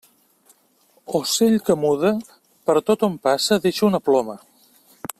Ocell que muda, per tot on passa deixa una ploma.